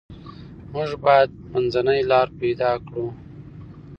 موږ باید منځنۍ لار پیدا کړو.